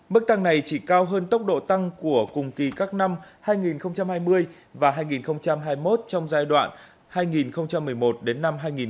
mức tăng này chỉ cao hơn tốc độ tăng của cùng kỳ các năm hai nghìn hai mươi và hai nghìn hai mươi một trong giai đoạn hai nghìn một mươi một đến năm hai nghìn hai mươi